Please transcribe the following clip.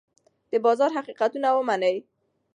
د بازار حقیقتونه ومنئ.